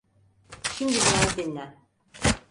Şimdi biraz dinlen.